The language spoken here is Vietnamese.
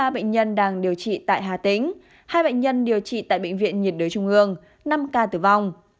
ba bệnh nhân đang điều trị tại hà tĩnh hai bệnh nhân điều trị tại bệnh viện nhiệt đới trung ương năm ca tử vong